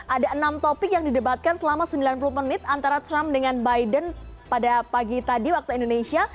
ada enam topik yang didebatkan selama sembilan puluh menit antara trump dengan biden pada pagi tadi waktu indonesia